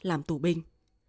làm tù binh